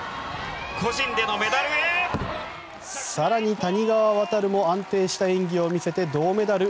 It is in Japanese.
更に谷川航も安定した演技を見せて銅メダル。